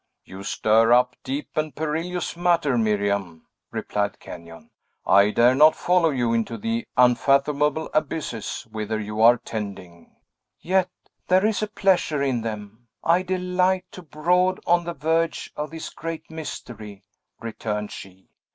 "You stir up deep and perilous matter, Miriam," replied Kenyon. "I dare not follow you into the unfathomable abysses whither you are tending." "Yet there is a pleasure in them! I delight to brood on the verge of this great mystery," returned she.